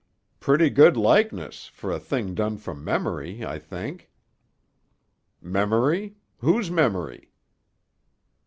"Pretty good likeness, for a thing done from memory, I think." "Memory? Whose memory?"